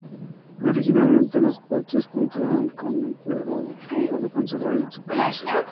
Originalmente, los patios contaban con empedrado, el cual se conserva hoy en su acceso.